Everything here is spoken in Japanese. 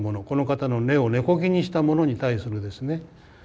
この方の根を根こぎにしたものに対するですね